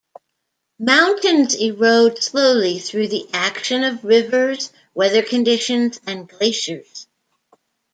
Mountains erode slowly through the action of rivers, weather conditions, and glaciers.